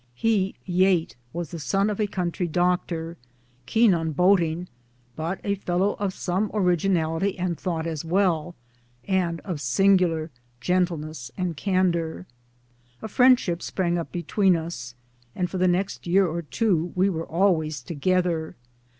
He, Yate, was the son of a country doctor keen on boating, but a fellow of some originality and thought as well and of singular gentleness and candour. A friendship sprang up be tween us ; and for the next year or two we were always together.